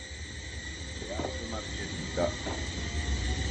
Teatro Margherita